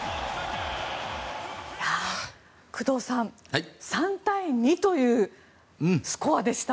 工藤さん３対２というスコアでした。